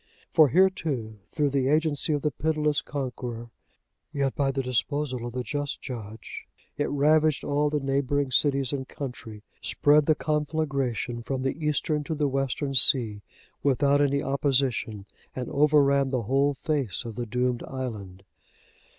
For here, too, through the agency of the pitiless conqueror, yet by the disposal of the just Judge, it ravaged all the neighbouring cities and country, spread the conflagration from the eastern to the western sea, without any opposition, and overran the whole face of the doomed island.